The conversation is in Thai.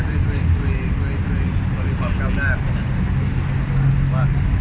ด้วยด้วยด้วยด้วยด้วยด้วยความกล้าวหน้าของเรา